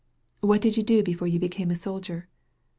"What did you do before you became a sol dier?"